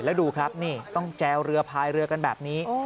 แล้วดูครับนี่ต้องแจวเรือพายเรือกันแบบนี้